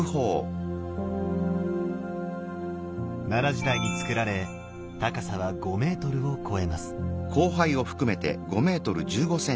奈良時代につくられ高さは５ｍを超えます。